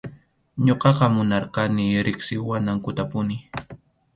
Ñuqaqa munarqani riqsiwanankutapuni.